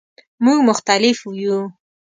مونږ مختلف یو